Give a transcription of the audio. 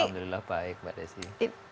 alhamdulillah baik mbak desi